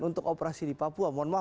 untuk operasi di papua